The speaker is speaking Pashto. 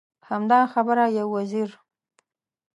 همدغه خبره یو وزیر.